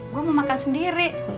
gua mau makan sendiri